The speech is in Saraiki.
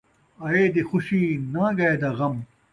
آئے دی خوشی، ناں ڳئے دا غم